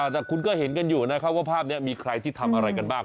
แต่คุณก็เห็นกันอยู่นะครับว่าภาพนี้มีใครที่ทำอะไรกันบ้าง